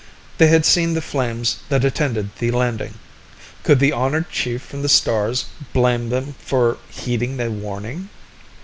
They had seen the flames that attended the landing. Could the honored chief from the stars blame them for heeding the warning?